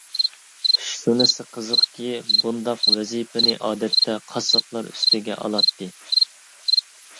شۇنىسى قىزىقكى، بۇنداق ۋەزىپىنى ئادەتتە قاسساپلار ئۈستىگە ئالاتتى.